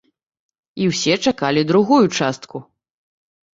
І ўсе чакалі другую частку.